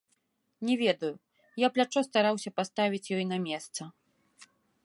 Не ведаю, я плячо стараўся паставіць ёй на месца.